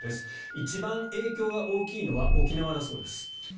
一番影響が大きいのは沖縄だそうです。